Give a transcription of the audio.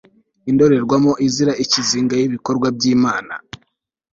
indorerwamo izira ikizinga y'ibikorwa by'imana